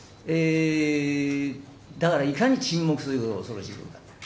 だからいかに沈黙ということが恐ろしいことか。